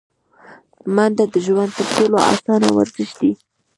منډه د ژوند تر ټولو اسانه ورزش دی